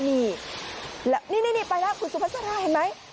นี่นี่ไปแล้วคุณสุภาษาราเห็นไหม